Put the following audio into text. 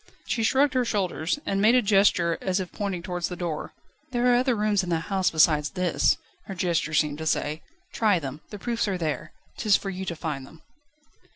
She shrugged her shoulders, and made a gesture as if pointing towards the door. "There are other rooms in the house besides this," her gesture seemed to say; "try them. The proofs are there, 'tis for you to find them."